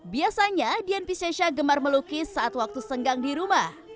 biasanya dian piscesha gemar melukis saat waktu senggang di rumah